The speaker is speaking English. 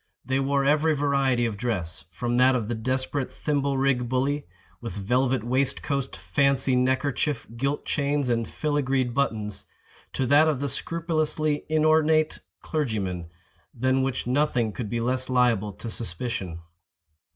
They wore every variety of dress, from that of the desperate thimble rig bully, with velvet waistcoat, fancy neckerchief, gilt chains, and filagreed buttons, to that of the scrupulously inornate clergyman, than which nothing could be less liable to suspicion.